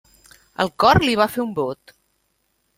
El cor li va fer un bot.